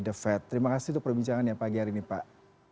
the fed terima kasih untuk perbincangannya pagi hari ini pak